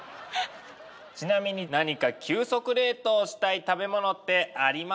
ちなみに何か急速冷凍したい食べ物ってありますか？